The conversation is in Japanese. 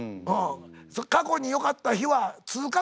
過去によかった日は通過点。